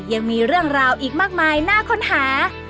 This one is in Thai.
ยังมีเรื่องราวอีกมากมายน่าค้นหา